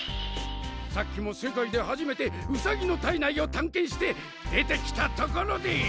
さっきも世界で初めてウサギの体内を探検して出てきたところで。